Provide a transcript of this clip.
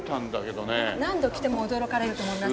何度来ても驚かれると思います。